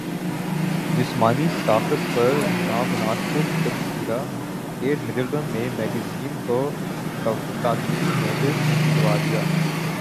جسمانی ساخت پر نامناسب تبصرہ کیٹ مڈلٹن نے میگزین کو قانونی نوٹس بھجوادیا